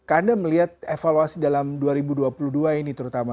anda melihat evaluasi dalam dua ribu dua puluh dua ini terutama